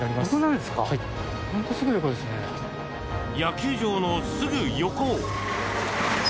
野球場のすぐ横。